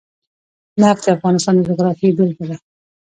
نفت د افغانستان د جغرافیې بېلګه ده.